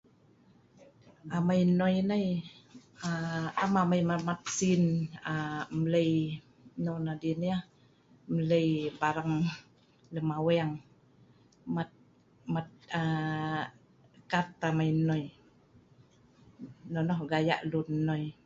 Amei enoi nei, aa.. am amei met-met sin aa..em’lei non adin yeh em’lei barang lem a’weng met, met aa.. kad amei enoi. Nonah gayak lun enoi